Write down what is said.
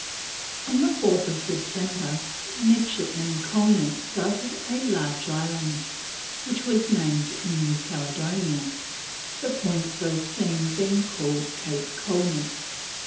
On 4th September Midshipman Colnett sighted a large island, which was named New Caledonia, the point first seen being called Cape Colnett.